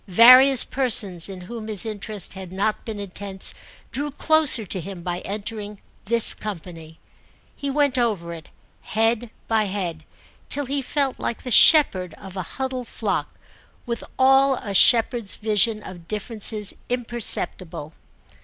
Various persons in whom his interest had not been intense drew closer to him by entering this company. He went over it, head by head, till he felt like the shepherd of a huddled flock, with all a shepherd's vision of differences imperceptible.